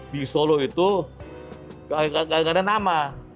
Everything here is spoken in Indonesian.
di solo itu gak ada nama